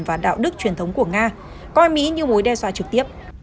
và đạo đức truyền thống của nga coi mỹ như mối đe dọa trực tiếp